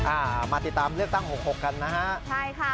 อ่ามาติดตามเลือกตั้งหกหกกันนะฮะใช่ค่ะ